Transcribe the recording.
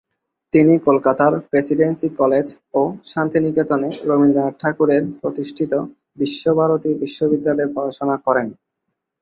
তিনি কলকাতার Presidency college ও শান্তিনিকেতনে রবীন্দ্রনাথ ঠাকুরের প্রতিষ্ঠিত বিশ্বভারতী বিশ্ববিদ্যালয়ে পড়াশোনা করেন।